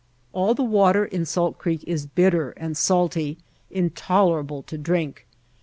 All the water in Salt Creek is bit ter and salty, intolerable to drink.